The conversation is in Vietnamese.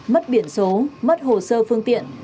mất biển số mất hồ sơ phương tiện